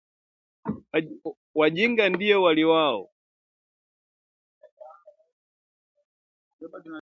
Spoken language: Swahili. "Wajinga ndio waliwao!"